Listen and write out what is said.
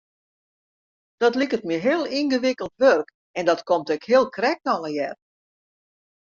Dat liket my heel yngewikkeld wurk en dat komt ek hiel krekt allegear.